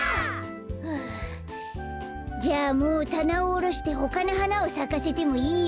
はあじゃあもうたなをおろしてほかのはなをさかせてもいいよね。